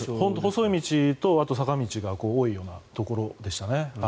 細い道と坂道が多いようなところでしたね。